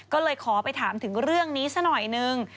ก็เลยขอไปถามถึงเรื่องนี้ซะหน่อยนึง